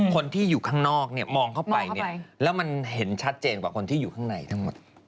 คนที่อยู่ข้างนอกเนี่ยมองเข้าไปเนี่ยแล้วมันเห็นชัดเจนกว่าคนที่อยู่ข้างในทั้งหมด